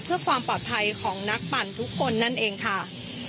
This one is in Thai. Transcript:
เพื่อความปลอดภัยของนักปั่นทุกคนนั่นเองค่ะ